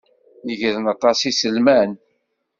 Negren aṭas n yiselman.